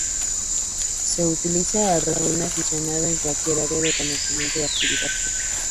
Se utiliza al referirse a un aficionado en cualquier área del conocimiento o actividad.